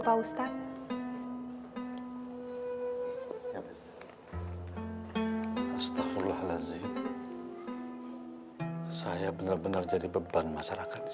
pak ustadz saya benar benar jadi beban masyarakat